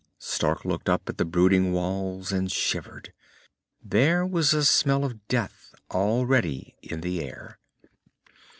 Stark looked up at the brooding walls, and shivered. There was a smell of death already in the air.